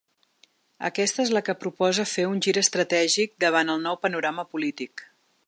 Aquesta és la que proposa fer un gir estratègic davant el nou panorama polític.